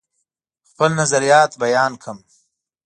خپل نظریات بیان کړم.